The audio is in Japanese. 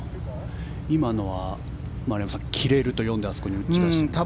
今のは丸山さん切れると読んであそこに打ち出したんですか？